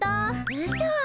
うそ。